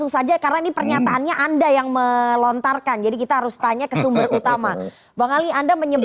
selamat sore nana